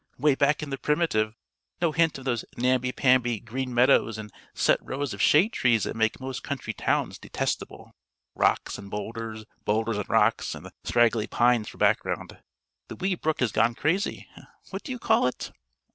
Way back in the primitive; no hint of those namby pamby green meadows and set rows of shade trees that make most country towns detestable; rocks and boulders boulders and rocks and the scraggly pines for background. The wee brook has gone crazy. What do you call it?"